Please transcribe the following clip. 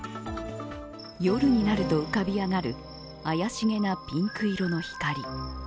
夜になると浮かび上がる怪しげなピンク色の光。